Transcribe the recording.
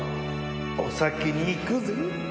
お先に行くぜぇ。